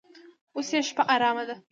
اوس یې شپه ارامه ده.